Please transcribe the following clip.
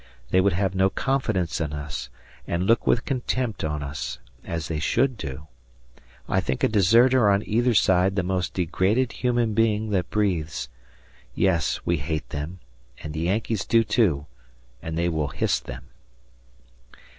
They would have no confidence in us and look with contempt on us, as they should do. I think a deserter on either side the most degraded human being that breathes. Yes, we hate them, and the Yankees do too, and they will hiss them.